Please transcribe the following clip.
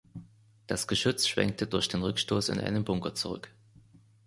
Das Geschütz schwenkte durch den Rückstoß in einen Bunker zurück.